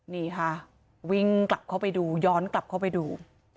นี่ค่ะวิ่งกลับเข้าไปดูย้อนกลับเข้าไปดู